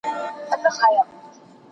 ويل يې چپ سه بېخبره بې دركه